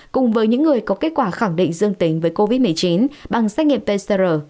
cùng với những người có kết quả khẳng định dương tính với covid một mươi chín bằng xét nghiệm pcr